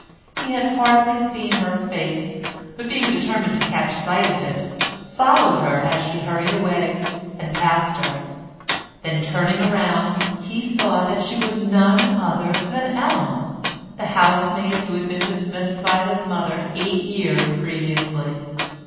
He had hardly seen her face, but being determined to catch sight of it, followed her as she hurried away, and passed her; then turning round he saw that she was none other than Ellen, the housemaid who had been dismissed by his mother eight years previously.